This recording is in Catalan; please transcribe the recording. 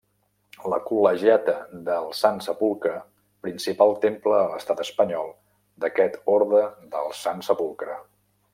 La Col·legiata del Sant Sepulcre principal temple a l'estat espanyol d'aquest Orde del Sant Sepulcre.